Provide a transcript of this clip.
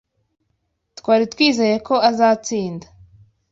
Twari twizeye ko azatsinda.